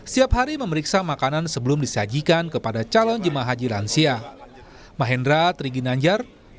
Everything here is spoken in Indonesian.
setiap hari memeriksa makanan sebelum disajikan kepada calon jemaah haji lansia